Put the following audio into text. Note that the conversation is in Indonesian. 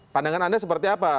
pandangan anda seperti apa